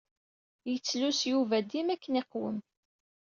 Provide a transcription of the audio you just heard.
Yettlus Yuba dima akken iqwem.